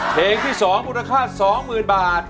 เพลงที่๒มูลค่า๒๐๐๐บาท